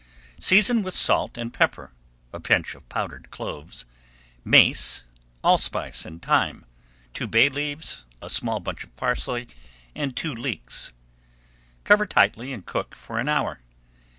Season with salt and pepper, a pinch of powdered cloves, mace, allspice, and thyme, two bay leaves, a small bunch of parsley, and two leeks. Cover tightly and cook for an hour.